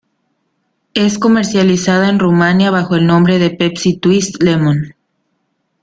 Es comercializada en Rumania bajo el nombre de Pepsi Twist Lemon.